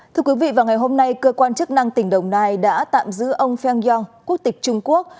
thưa quý vị vào ngày hôm nay cơ quan chức năng tỉnh đồng nai đã tạm giữ ông feng yong quốc tịch trung quốc